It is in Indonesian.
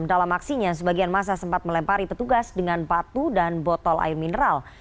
dalam aksinya sebagian masa sempat melempari petugas dengan batu dan botol air mineral